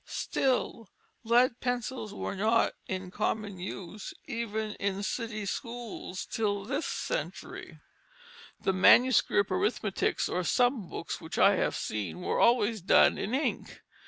Still lead pencils were not in common use even in city schools till this century. The manuscript arithmetics or "sum books" which I have seen were always done in ink.